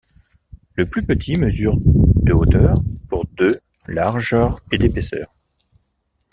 Le plus petit mesure de hauteur pour de largeur et d'épaisseur.